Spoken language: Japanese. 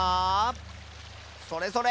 それそれ！